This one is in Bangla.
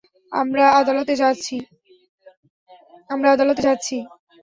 আমরা আদালতে যাচ্ছি।